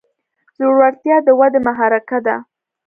زړورتیا د ودې محرکه ده.